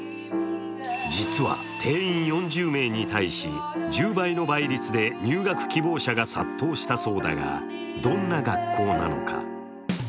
実は定員４０名に対し１０倍の倍率で入学希望者が殺到したそうだがどんな学校なのか。